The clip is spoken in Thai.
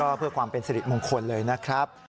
ก็เพื่อความเป็นสิริมงคลเลยนะครับ